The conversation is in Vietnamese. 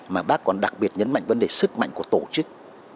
mà bác còn đặc biệt nhấn mạnh vấn đề sức mạnh của tổ chức